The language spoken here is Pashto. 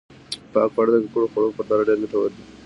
پاک خواړه د ککړو خوړو په پرتله ډېر ګټور دي.